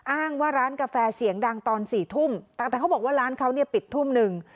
อ้างว่าร้านกาแฟเสียงดังตอนสี่ทุ่มแต่เขาบอกว่าร้านเขาเนี่ยปิดทุ่มหนึ่ง